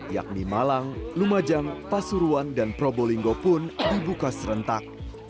yakni malang lumajang pasuruan dan probolinggo pun dibuka serentak